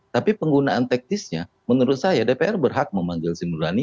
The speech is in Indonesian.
tapi penggunaan taktisnya menurut saya dpr berhak memanggil sinur rani